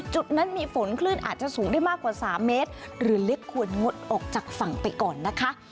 จุดนั้นมีฝนคลื่นอาจจะสูงได้มากกว่า๓เมตรหรือเล็กควรงดออกจากฝั่งไปก่อนนะคะ